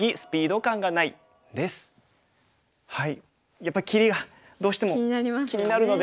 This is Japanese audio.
やっぱり切りがどうしても気になるので。